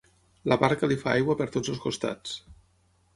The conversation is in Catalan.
La barca li fa aigua per tots els costats.